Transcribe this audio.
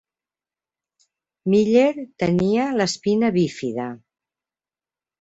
Miller tenia l'espina bífida.